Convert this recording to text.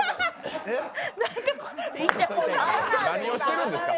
何をしてるんですか。